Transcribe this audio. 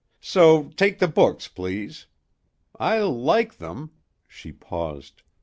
So take the books, please. I like them." She paused.